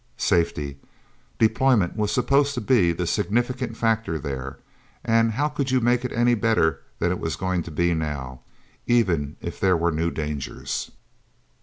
Safety. Deployment was supposed to be the significant factor, there. And how could you make it any better than it was going to be now? Even if there were new dangers?